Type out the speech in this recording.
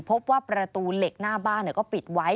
พบว่าประตูเหล็กหน้าบ้านก็ปิดไว้